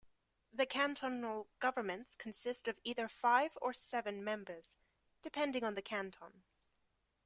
The cantonal governments consist of either five or seven members, depending on the canton.